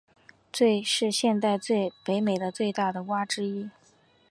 是现存北美的最大的蛙之一。